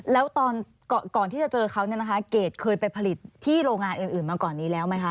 แล้วตอนก่อนที่จะเจอเขาเนี่ยนะคะเกรดเคยไปผลิตที่โรงงานอื่นมาก่อนนี้แล้วไหมคะ